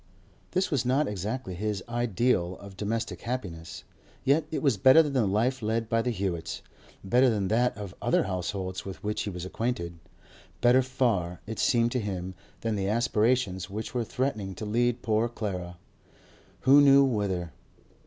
This was not exactly his ideal of domestic happiness, yet it was better than the life led by the Hewetts—better than that of other households with which he was acquainted—better far, it seemed to him, than the aspirations which were threatening to lead poor Clara—who knew whither?